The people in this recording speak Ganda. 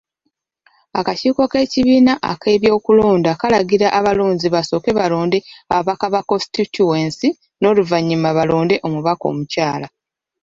Akakiiko k'ekibiina ak'ebyokulonda kaalagira abalonzi basooke balonde ababaka ba Kositityuwensi n'oluvannyuma balonde Omubaka omukyala.